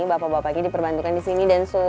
bapak bapak ini diperbantukan di sini dan su